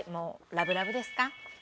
ラブラブですかって。